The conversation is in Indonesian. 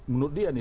menurut dia nih